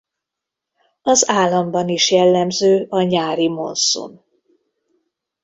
Az államban is jellemző a nyári monszun.